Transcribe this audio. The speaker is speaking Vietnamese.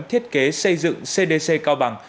thiết kế xây dựng cdc cao bằng